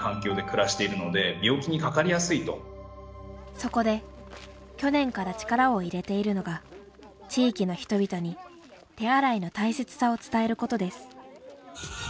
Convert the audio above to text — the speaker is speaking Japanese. そこで去年から力を入れているのが地域の人々に手洗いの大切さを伝えることです。